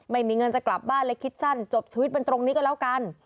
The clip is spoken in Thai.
ไม่มีเงินจะกลับบ้านเลยคิดสั้นจบชีวิตเป็นตรงนี้ก็แล้วกัน